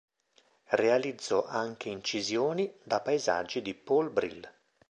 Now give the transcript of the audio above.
Realizzò anche incisioni da paesaggi di Paul Brill.